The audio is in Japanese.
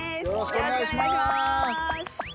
よろしくお願いします。